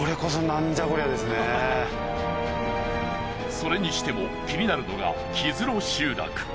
それにしても気になるのが木津呂集落。